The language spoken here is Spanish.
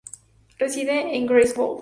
Reside en Greifswald.